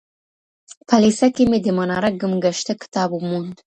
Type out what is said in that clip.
په لېسه کي مې د مناره ګم ګشته کتاب وموند.